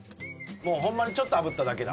ホンマにちょっとあぶっただけ。